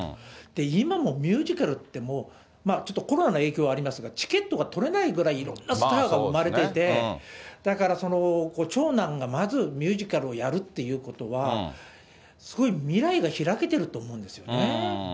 今もミュージカルってもう、ちょっとコロナの影響ありますが、チケットが取れないぐらい、いろんなスターが生まれていて、だからご長男がまずミュージカルをやるっていうことは、すごい未来が開けてると思うんですよね。